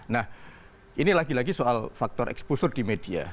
nah ini lagi lagi soal faktor eksposur di media